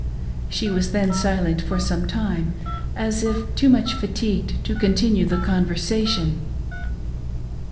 She was then silent for some time, as if too much fatigued to continue the conversation.